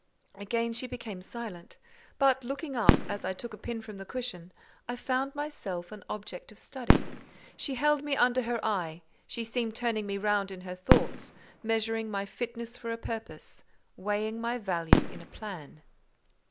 Again she became silent; but looking up, as I took a pin from the cushion, I found myself an object of study: she held me under her eye; she seemed turning me round in her thoughts—measuring my fitness for a purpose, weighing my value in a plan.